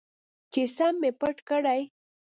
چې سم مې پټ کړي.